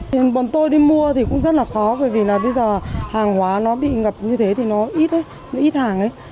nhưng bọn tôi đi mua thì cũng rất là khó bởi vì là bây giờ hàng hóa nó bị ngập như thế thì nó ít nó ít hàng ấy